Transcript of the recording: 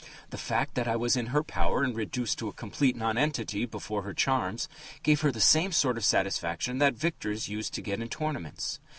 The fact that I was in her power and reduced to a complete nonentity before her charms gave her the same sort of satisfaction that victors used to get in tournaments....